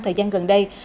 thời gian gần đây